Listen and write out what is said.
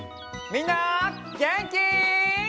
みんなげんき？